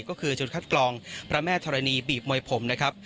ก็คือจุดคัดกรองพระแม่ธรณีบีบมวยผมนะครับ